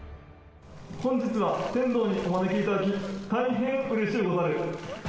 本日は天童にお招きいただき、大変うれしゅうござる。